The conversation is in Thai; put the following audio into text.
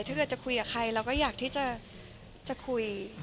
ถ้าเกิดจะคุยกับใครเราก็อยากที่จะคุย